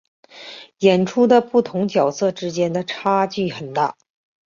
演出的不同角色之间的差别很大。